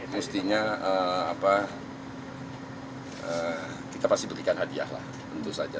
mestinya kita pasti berikan hadiah lah tentu saja